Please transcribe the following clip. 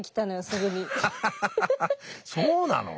そうなの？